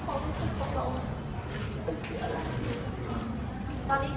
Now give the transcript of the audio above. ตอนนี้เพื่อนหลักจะไปจบ